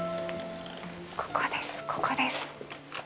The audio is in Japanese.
ここです、ここです。